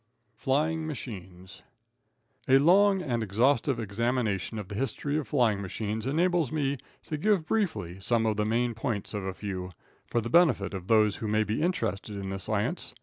Flying Machines. A long and exhaustive examination of the history of flying machines enables me to give briefly some of the main points of a few, for the benefit of those who may be interested in this science.